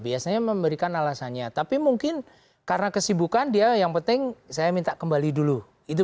biasanya memberikan alasannya tapi mungkin karena kesibukan dia yang penting saya minta kembali dulu itu